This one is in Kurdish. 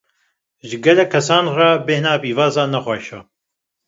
Ji gelek kesan re, bêhna pîvazan ne xweş e.